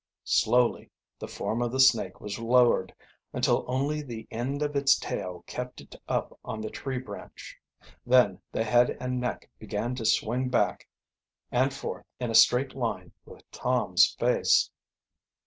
Slowly the form of the snake was lowered, until only the end of its tail kept it up on the tree branch. Then the head and neck began to swing back and forth, in a straight line with Tom's face.